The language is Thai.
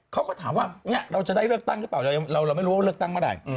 เขาก็ถามว่าเราจะได้เลือกตั้งหรือเปล่าเราไม่รู้ว่าเลือกตั้งเมื่อไหร่